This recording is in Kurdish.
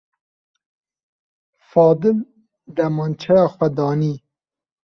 Fadil demançeya xwe danî.